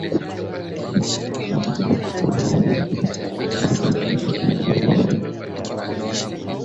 na wenzake Hata ilipotimia siku ya Pentekoste walikuwapo wote mahali